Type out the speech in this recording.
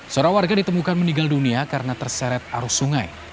seorang warga ditemukan meninggal dunia karena terseret arus sungai